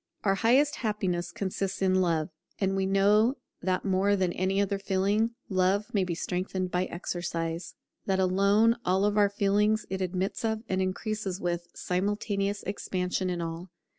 Our highest happiness consists in Love; and we know that more than any other feeling love may be strengthened by exercise; that alone of all feelings it admits of, and increases with, simultaneous expansion in all.